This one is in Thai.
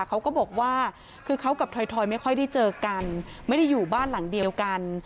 เขาก็บอกว่าคือเขากับถอยไม่ค่อยได้เจอกันไม่ได้อยู่บ้านหลังเดียวกัน